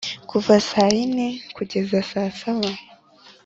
kuva sa yine kugeza saa saba